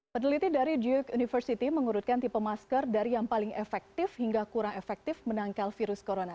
peneliti dari duke university mengurutkan tipe masker dari yang paling efektif hingga kurang efektif menangkal virus corona